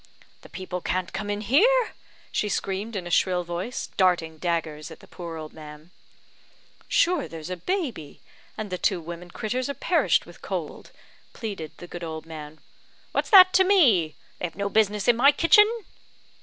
"The people can't come in here!" she screamed in a shrill voice, darting daggers at the poor old man. "Sure there's a baby, and the two women critters are perished with cold," pleaded the good old man. "What's that to me? They have no business in my kitchen."